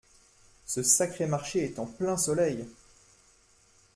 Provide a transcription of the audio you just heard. Ce sacré marché est en plein soleil…